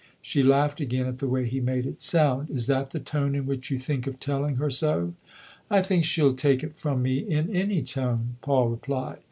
She laughed again at the way he made it sound. " Is that the tone in which you think of telling her so?" "I think she'll take it from me in any tone," Paul replied.